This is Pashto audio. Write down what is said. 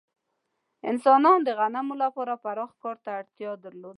انسانانو د غنمو لپاره پراخ کار ته اړتیا درلوده.